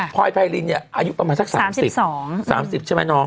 พลอยไพรินเนี่ยอายุประมาณสักสามสิบสามสิบสามสิบใช่ไหมน้อง